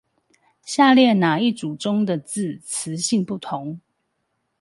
下列那一組中的字詞性不同？